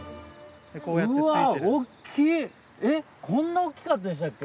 えっこんな大きかったでしたっけ？